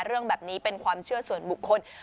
เรื่องแบบนี้เป็นความเชื่อส่วนบุคคล